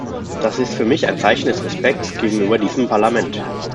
Das ist für mich ein Zeichen des Respekts gegenüber diesem Parlament.